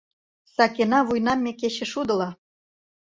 Сакена вуйнам ме кечышудыла...